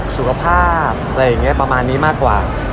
สุขภาพอะไรอย่างนี้ประมาณนี้มากกว่า